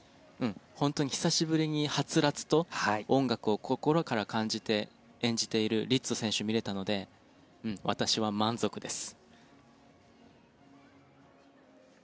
本当に久しぶりにはつらつと、音楽を心から感じて演じているリッツォ選手を見れたので私は満足です。